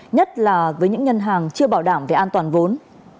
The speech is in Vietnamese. nhất là với những ngân hàng chưa bảo đảm về an toàn vốn